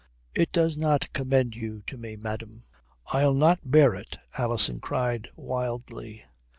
It does not commend you to me, madame." "I'll not bear it," Alison cried wildly.